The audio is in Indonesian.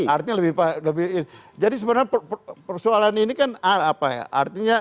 artinya lebih jadi sebenarnya persoalan ini kan artinya